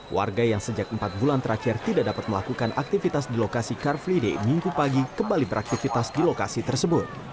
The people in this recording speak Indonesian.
warga yang sejak empat bulan terakhir tidak dapat melakukan aktivitas di lokasi car free day minggu pagi kembali beraktivitas di lokasi tersebut